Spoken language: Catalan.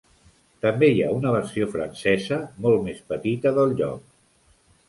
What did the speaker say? També hi ha una versió francesa molt més petita del lloc.